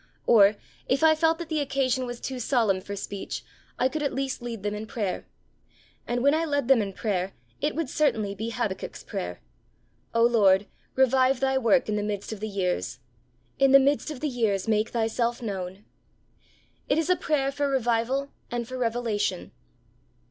Or, if I felt that the occasion was too solemn for speech, I could at least lead them in prayer. And when I led them in prayer, it would certainly be Habakkuk's prayer: 'O Lord, revive Thy work in the midst of the years; in the midst of the years make Thyself known!' It is a prayer for revival and for revelation.